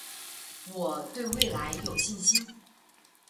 我对未来有信心